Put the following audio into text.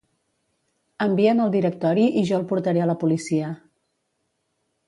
Envia'm el directori i jo el portaré a la policia.